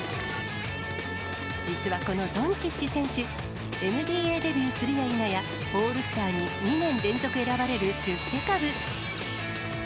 実はこのドンチッチ選手、ＮＢＡデビューするやいなや、オールスターに２年連続選ばれる出世株。